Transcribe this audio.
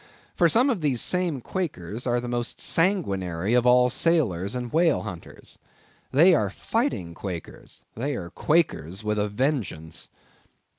For some of these same Quakers are the most sanguinary of all sailors and whale hunters. They are fighting Quakers; they are Quakers with a vengeance.